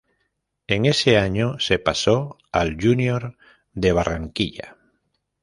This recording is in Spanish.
En ese año se pasó al Junior de Barranquilla.